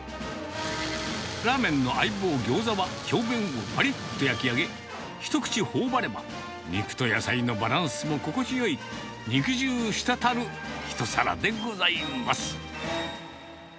ラーメンの相棒、ギョーザは、表面をぱりっと焼き上げ、一口ほおばれば、肉と野菜のバランスも心地よい、肉汁滴る一皿でございます。